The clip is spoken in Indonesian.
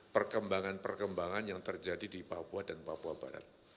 perkembangan perkembangan yang terjadi di papua dan papua barat